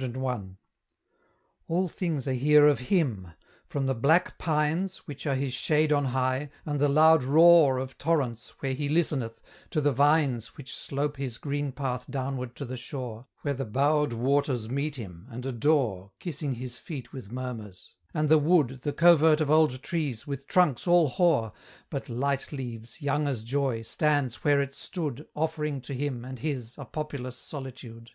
CI. All things are here of HIM; from the black pines, Which are his shade on high, and the loud roar Of torrents, where he listeneth, to the vines Which slope his green path downward to the shore, Where the bowed waters meet him, and adore, Kissing his feet with murmurs; and the wood, The covert of old trees, with trunks all hoar, But light leaves, young as joy, stands where it stood, Offering to him, and his, a populous solitude.